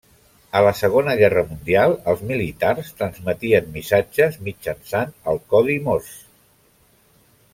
A la Segona Guerra Mundial els militars transmetien missatges mitjançant el codi morse.